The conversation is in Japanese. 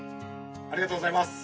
「ありがとうございます」